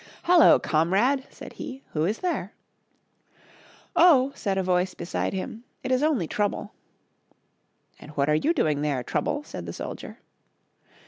" Halloa, comrade !" said he, " who is there? " Oh ! said a voice beside him, " it is only Trouble. "And what are you doing there, Trouble?*' said the soldier.